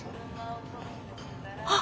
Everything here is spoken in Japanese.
あっ！